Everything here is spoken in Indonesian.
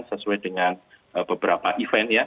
sesuai dengan beberapa event ya